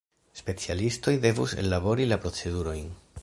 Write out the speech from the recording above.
Specialistoj devus ellabori la procedurojn.